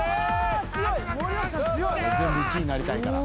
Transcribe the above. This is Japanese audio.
全部１位なりたいから。